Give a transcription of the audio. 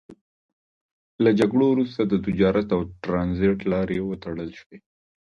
له جګړو وروسته د تجارت او ترانزیت لارې وتړل شوې.